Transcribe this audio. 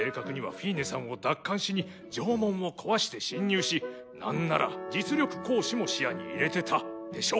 フィーネさんを奪還しに城門を壊して侵入しなんなら実力行使も視野に入れてたでしょ？